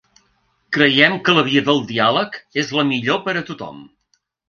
Creiem que la via del diàleg és la millor per a tothom.